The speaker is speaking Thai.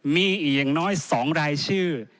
มีอีกอย่างน้อย๒รายชื่อ